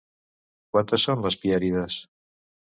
Quantes són les Pièrides?